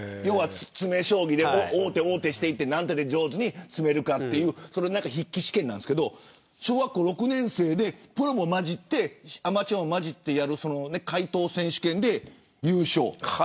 詰将棋で、何手で上手に詰めるかという筆記試験なんですけど小学校６年生でプロもアマチュアも交じってやる解答選手権で優勝。